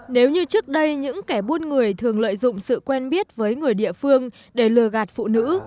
nếu như trước đây những kẻ buôn người thường lợi dụng sự quen biết với người địa phương để lừa gạt phụ nữ